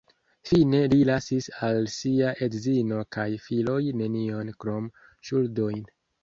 Fine li lasis al sia edzino kaj filoj nenion krom ŝuldojn.